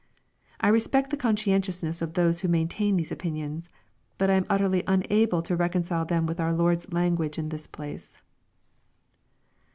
I re spect the conscientiousness of those who maintain these opinions. But I am utterly unable to reconcile them with our Lord's lan guage in this place.